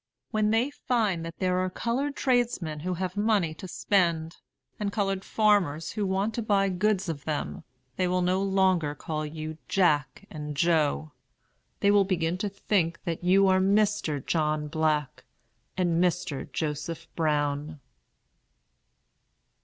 When they find that there are colored tradesmen who have money to spend, and colored farmers who want to buy goods of them, they will no longer call you Jack and Joe; they will begin to think that you are Mr. John Black and Mr. Joseph Brown."